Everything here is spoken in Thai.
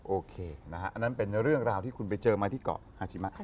โอเคนะฮะอันนั้นเป็นเรื่องราวที่คุณไปเจอมาที่เกาะฮาชิมะ